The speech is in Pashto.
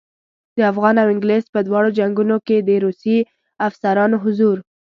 د افغان او انګلیس په دواړو جنګونو کې د روسي افسرانو حضور.